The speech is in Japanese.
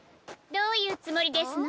どういうつもりですの？